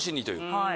はい。